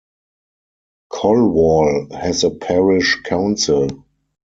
Colwall has a parish council.